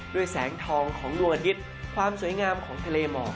แสงทองของดวงอาทิตย์ความสวยงามของทะเลหมอก